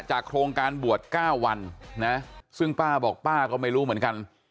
โครงการบวช๙วันนะซึ่งป้าบอกป้าก็ไม่รู้เหมือนกัน